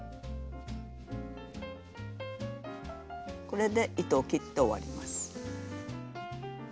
これで糸を切って終わります。